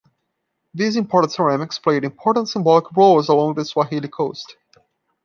These imported ceramics played important symbolic roles along the Swahili Coast.